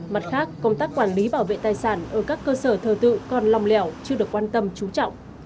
mặt khác công tác quản lý bảo vệ tài sản ở các cơ sở thờ tự còn lòng lẻo chưa được quan tâm trú trọng